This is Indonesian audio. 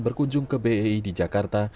berkunjung ke bei di jakarta